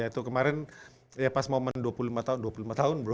ya itu kemarin ya pas moment dua puluh lima tahun dua puluh lima tahun bro